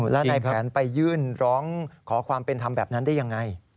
แล้วนายแผนไปยื่นร้องขอความเป็นธรรมแบบนั้นได้ยังไง